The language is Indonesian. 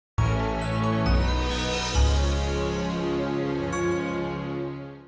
terima kasih om alex